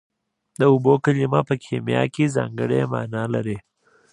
د اوبو کلمه په کیمیا کې ځانګړې مانا لري